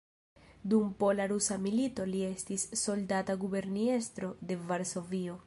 Dum pola-rusa milito li estis soldata guberniestro de Varsovio.